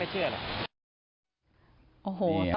ไม่เชื่อตอนนั้นไม่เชื่อหรอก